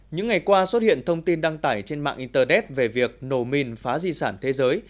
những ngày qua xuất hiện thông tin đăng tải trên mạng internet về việc nổ mìn phá di sản thế giới